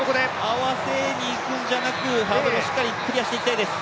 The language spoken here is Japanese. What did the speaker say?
合わせにいくんじゃなくしっかりハードルクリアしていきたいです。